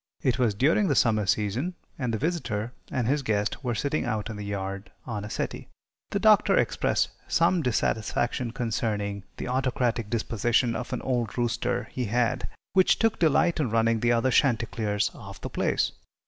It was during the summer season, and the visitor and his guest were sitting out in the yard on a settee. The Doctor expressed some dissatisfaction concerning the autocratic disposition of an old rooster he had, which took delight in running the other chanticleers off the place.